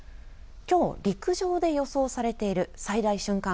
きょう陸上で予想されている最大瞬間